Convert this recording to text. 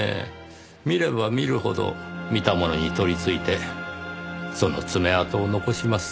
見れば見るほど見た者に取りついてその爪痕を残します。